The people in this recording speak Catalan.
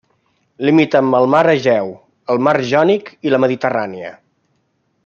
Limita amb el mar Egeu, el mar Jònic i la Mediterrània.